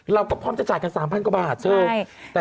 เราก็พร้อมจะจ่ายกัน๓๐๐กว่าบาทเถอะ